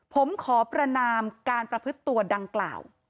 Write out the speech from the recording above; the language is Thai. ผมขอประนามการประพฤติตัวดังกล่าว